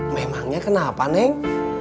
memangnya kenapa neng